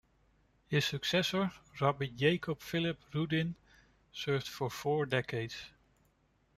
His successor, Rabbi Jacob Phillip Rudin, served for four decades.